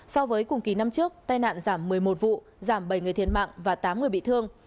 so với cùng kỳ năm trước tai nạn giảm một mươi một vụ giảm bảy người thiệt mạng và tám người bị thương